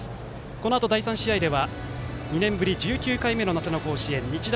このあと第３試合では２年ぶり１９回目の夏の甲子園日大